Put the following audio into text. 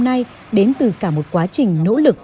hôm nay đến từ cả một quá trình nỗ lực